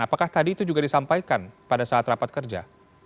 apakah tadi itu juga disampaikan pada saat rapat kerja